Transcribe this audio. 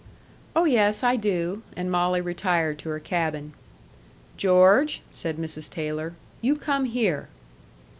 "Oh, yes, I do." And Molly retired to her cabin. "George," said Mrs. Taylor, "you come here."